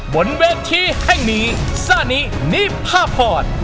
บนเวทย์ที่แห้งมีซานินิภาพร